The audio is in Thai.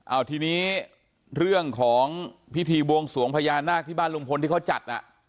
เอาทีนี้เรื่องของพิธีบวงสวงพญานาคที่บ้านลุงพลที่เขาจัดอ่ะ